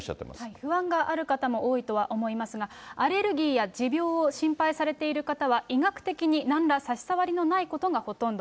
不安がある方も多いとは思いますが、アレルギーや持病を心配されている方は、医学的になんら差しさわりのないことがほとんど。